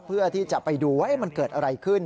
เพื่อที่จะไปดูว่ามันเกิดอะไรขึ้น